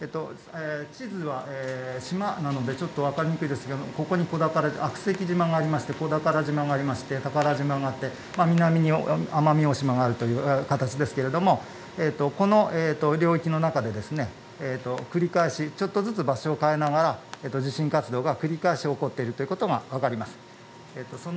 地図は島なので分かりにくいですけどここに悪石島があって小宝島があってたからじまがあって南に奄美大島があるという形ですけれどもこの領域の中で繰り返しちょっとずつ場所を変えながら地震活動が繰り返し起こっていることが分かります。